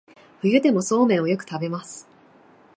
冬でもそうめんをよく食べます